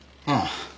ああ。